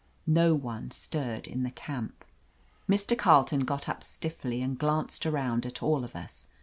No one stirred in the camp. Mr. Carleton got up stiflBly and glanced around at all of us.